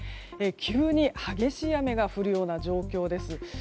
急に激しい雨が降るような状況です。